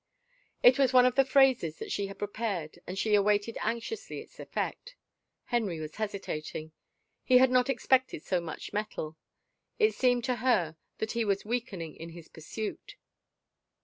It was one of the phrases that she had prepared and she awaited anxiously its effect. Henry was hesitating. He had not expected so much mettle. It seemed to her that he was weakening in his pursuit.